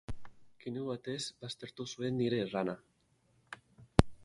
Keinu batez baztertu zuen nire errana.